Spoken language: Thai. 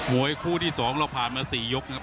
วยคู่ที่๒เราผ่านมา๔ยกนะครับ